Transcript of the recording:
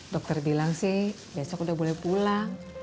dokter bilang sih besok udah boleh pulang